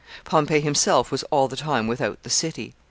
Pompey himself was all the time without the city.